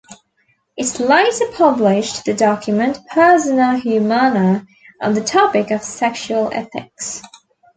It later published the document "Persona Humana" on the topic of sexual ethics.